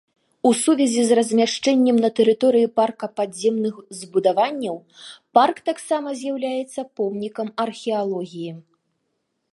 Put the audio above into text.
У сувязі з размяшчэннем на тэрыторыі парка падземных збудаванняў, парк таксама з'яўляецца помнікам археалогіі.